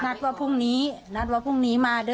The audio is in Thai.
นัดว่าพรุ่งนี้นัดว่าพรุ่งนี้มาด้วย